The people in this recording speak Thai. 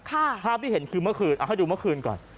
ภาพที่เห็นคือเมื่อคืนเอาให้ดูเมื่อคืนก่อน